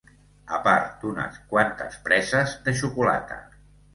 ...a part d'unes quantes preses de xocolata